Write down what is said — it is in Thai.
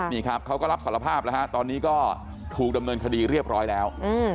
นี่ครับเขาก็รับสารภาพแล้วฮะตอนนี้ก็ถูกดำเนินคดีเรียบร้อยแล้ว